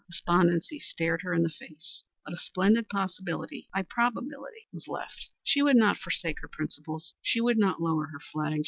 Despondency stared her in the face, but a splendid possibility aye probability was left. She would not forsake her principles. She would not lower her flag.